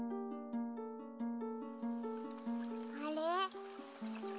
あれ？